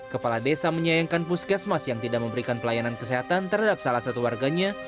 kepala desa menyayangkan puskesmas yang tidak memberikan pelayanan kesehatan terhadap salah satu warganya